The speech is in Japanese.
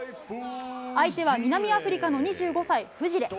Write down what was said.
相手は南アフリカの２５歳、フジレ。